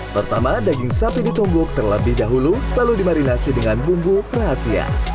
pertama daging sapi ditumbuk terlebih dahulu lalu dimarinasi dengan bumbu rahasia